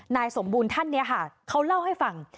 นายสมบูรณ์ท่านนี้ค่ะเขาเล่าให้ฟัง